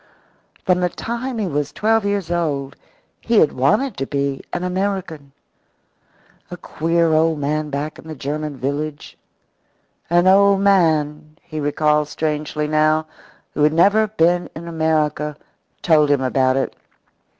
From the time he was twelve years old he had wanted to be an American. A queer old man back in the German village an old man, he recalled strangely now, who had never been in America told him about it.